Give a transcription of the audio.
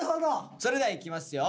それではいきますよ。